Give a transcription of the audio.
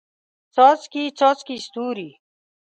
څاڅکي، څاڅکي ستوري